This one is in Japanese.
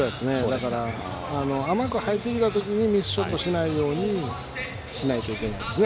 だから、甘く入ってきたときにミスショットしないようにしないといけないですね。